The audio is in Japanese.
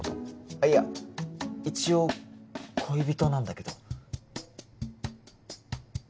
あっいや一応恋人なんだけど。